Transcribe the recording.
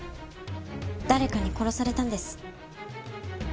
誰かに殺されたんです。